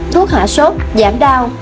một thuốc hạ sốt giảm đau